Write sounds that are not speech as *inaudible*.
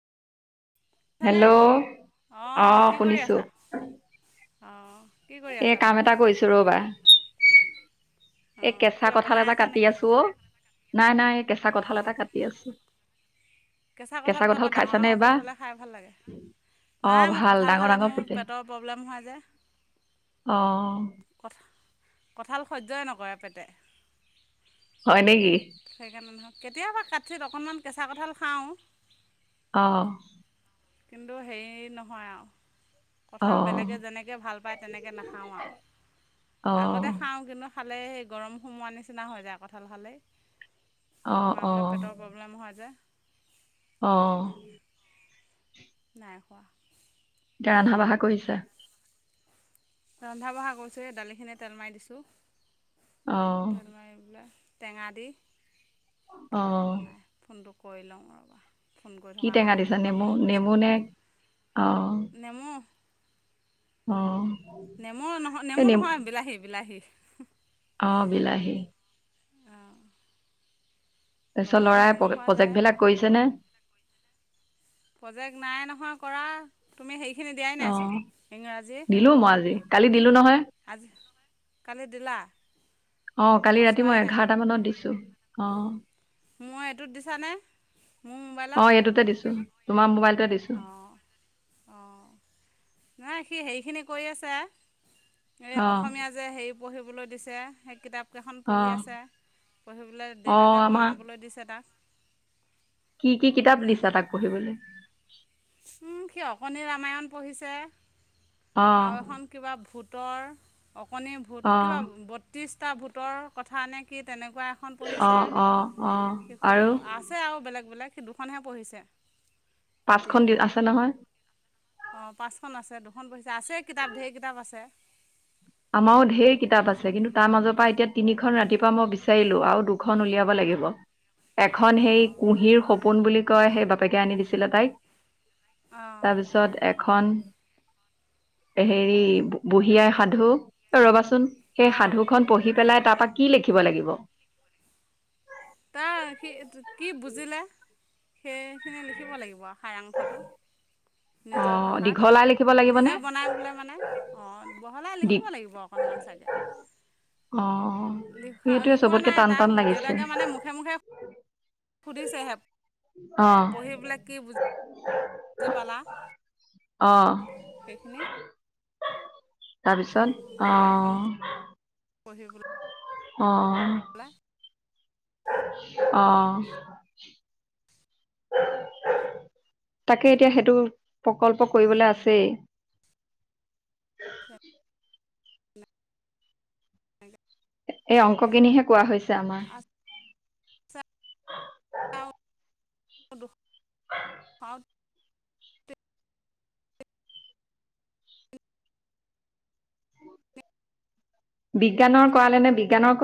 বুজিছানে? হেল্ল' অ'! কি কৰি আছা? অ''! কি কৰি আছা বোলোঁ? কৈছোঁ ৰ'বা, এ, অঁ কেঁচা কিবা কঁঠাল বনাই এটা আছা কাটি নেকি আছোঁ অ'! নাই, নাই। কেঁচা কঁঠাল অঁ এটা কাটি আছোঁ। কেঁচা কঁঠালটো আকৌ, ডাঙৰ ফুড এইবাৰ হ'লে, খাই ভাল লাগে! অ নাই মই ভাল কঁঠাল ডাঙৰ খালে ডাঙৰ মোৰ ফুলে পেটৰ প্ৰব্লেম হোৱা যে অ *unintelligible* কঁঠাল সহ্যই নকৰে পেটে! হয় নেকি? সেইকাৰণে নহক কেতিয়াবা কাটচিত অকণমান কেঁচা কঁঠাল খাও অ কিন্তু হেৰি নহয় আও অ কঁঠাল বেলেগে নেকে ভাল পায় তেনেকে নাখাও আও অ আগতে খাও কিন্তু খালে হেই গৰম সোমোৱাৰ নিচিনা হৈ যায় কঁঠাল খালেই অ সোমাই মই অ বোলো পেটৰ প্ৰব্লেম ৰম হোৱা যায় অ সেইকাৰণে নাই খোৱা এতিয়া ৰান্ধা বঢ়া কৰিছা ৰন্ধা বঢ়া কৰিছোহে দালিখিনি তেল মাৰি দিছো অ তেল মাৰি পেলাই টেঙা দি অ নাই ফোনটো কৰি লও ৰ'বা ফোন কৰি কি থকাৰ টেঙা কাৰণে দিছা কিয় বা নেমু ফোন কৰিছে নেমু বোলো নে অ নেমু অ নেমু অ নহয় নেমু নহয় বিলাহী বিলাহী অ বিলাহী অ তাৰপিছত ল'ৰাই প বাৰু প্ৰজেক্টবিলাক কৰিছে নে প্ৰজেক্ট নাই নহয় কৰা তুমি সেইখিনি দিয়াই অ নাইচোন ইংৰাজী দিলো মই আজি কালি দিলো সেই নহয় আজি কালি দিলা অ কালি ৰাতি চোৱাই মই নাই এঘাৰটা মানত দিছো অ মোৰ এইটোত দিছানে মোৰ অ এইটোতে দিছো তোমাৰ মোবাইলতে দিছো অ অ নহয় সি হেৰিখিনি কৰি আছে এই অ অসমীয়া যে হেৰি পঢ়িবলৈ দিছে সেই কিতাপ কেইখন অ পঢ়ি আছে পঢ়ি পেলাই অ দেউতাকে আমাৰ বনাবলৈ দিছে তাক কি কি কিতাপ দিছা তাক পঢ়িবলৈ উ সি অকণিৰ ৰামায়ণ পঢ়িছে অ আৰু এখন কিবা ভূত ভূতৰ অকণি অ ভূত কিবা বত্ৰিছটা ভূতৰ কথা নে কি তেনেকোৱা খন অ পঢ়িছে অ অ আৰু শিশুসকল আছে আৰু বেলেগ বেলেগ সি দুখনহে পঢ়িছে পাঁচখন এতিয়া দি আছে নহয় অঁ পাঁচখন আছে দুখন পঢ়িছে আছে কিতাপ ঢেৰ কিতাপ আছে আমাৰো ঢেৰ কিতাপ আছে তাৰপিছত কিন্তু তা তাৰ মাজৰ পৰা এতিয়া তিনিখন ৰাতিপুৱা মই বিচাৰিলো আৰু দুখন উলিয়াব লাগিব এখন সেই অঁ কুঁহিৰ সপোন বুলি কয় সেই বাপেকে আনি দিছিলে তাইক অঁ তাৰপিছত এখন হেৰি বুঢ়ী আই সাধু এ ৰবাচোন সেই অঁ সাধুখন পঢ়ি পেলাই তাৰপা কি লিখিব লাগিব তাৰ সি কি বুজিলে সেইখিনি লিখিব লাগিব সাৰাং শতো নিজৰ অঁ ভাষাত দীঘল আই লিখিব লাগিবনে নিজে বনাই বোলে মানে অ বহলাই দি লিখিব লাগিব অকণমান চাগে অঁ লিখা সেইটোৱে লিখোৱা চবতকে নাই টান তাক টান লাগিছে দেউতাকে মানে মুখে মুখে সুধিছেহে অ সেইবিলাক কি বু *unintelligible* জি পালা। অ। সেইখিনি তাৰপিছত অ পঢ়িবলে হলে অঁ *unintelligible* অ তাকে এতিয়া সেইটো প্ৰকল্প কৰিবলৈ আছেই এই অংকখিনিহে কোৱা হৈছে আমাৰ আ *inaudible* *unintelligible* বিজ্ঞানৰ কৰালে নে বিজ্ঞানৰ